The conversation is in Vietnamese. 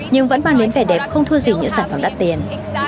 nhưng vẫn mang đến vẻ đẹp không thua gì những sản phẩm đắt tiền